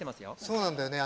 そうなんだよね